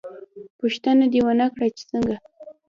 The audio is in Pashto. _ پوښتنه دې ونه کړه چې څنګه؟